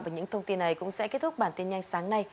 và những thông tin này cũng sẽ kết thúc bản tin nhanh sáng nay